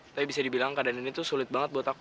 tapi bisa dibilang keadaan ini tuh sulit banget buat aku